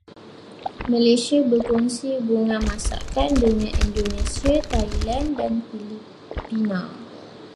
Malaysia berkongsi hubungan masakan dengan Indonesia, Thailand dan Filipina.